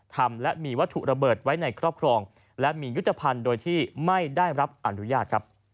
ทำและมีวัตถุระเบิดไว้ในครอบครองและมียุทธภัณฑ์โดยที่ไม่ได้รับอนุญาตครับ